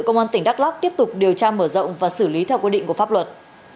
công an tỉnh đắk lắc tiếp tục điều tra mở rộng và xử lý theo quy định của pháp luật